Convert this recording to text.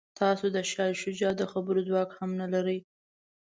تاسو د شاه شجاع خبرو ځواک هم نه لرئ.